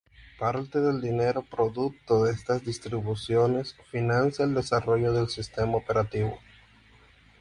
Parte del dinero producto de estas distribuciones financia el desarrollo del sistema operativo.